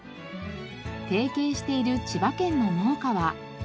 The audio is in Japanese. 提携している千葉県の農家は。